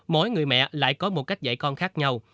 mỗi người mẹ lại có một cách dạy con khác nhau